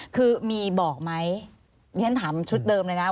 คือมีบอกมั้ยถามชุดเดิมเลยนะครับ